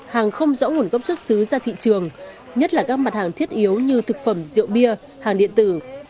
hàng không rõ nguồn gốc xuất xứ ra thị trường nhất là các mặt hàng thiết yếu như thực phẩm rượu bia hàng điện tử